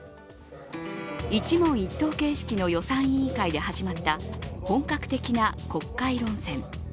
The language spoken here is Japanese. １問１答形式の予算委員会で始まった本格的な国会論戦。